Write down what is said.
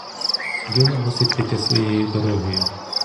Діло мусить піти своєю дорогою.